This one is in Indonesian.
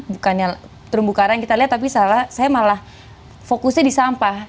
bukannya terumbu karang kita lihat tapi saya malah fokusnya di sampah